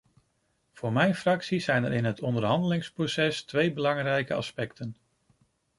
Voor mijn fractie zijn er in het onderhandelingsproces twee belangrijke aspecten.